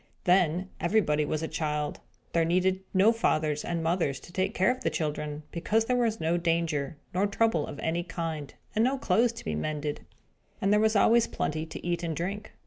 Then, everybody was a child. There needed no fathers and mothers to take care of the children; because there was no danger, nor trouble of any kind, and no clothes to be mended, and there was always plenty to eat and drink.